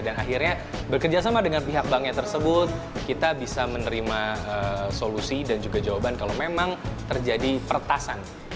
dan akhirnya bekerjasama dengan pihak banknya tersebut kita bisa menerima solusi dan juga jawaban kalau memang terjadi pertasan